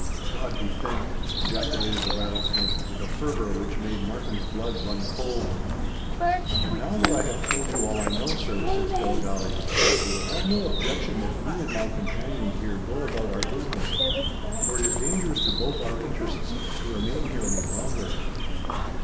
"God be thanked!" ejaculated the Rattlesnake, with a fervour which made Markham's blood run cold. "And now that I have told you all I know, sir," said Skilligalee, "you will have no objection if me and my companion here go about our business; for it is dangerous to both our interests to remain here any longer."